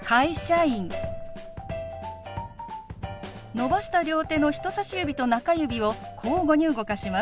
伸ばした両手の人さし指と中指を交互に動かします。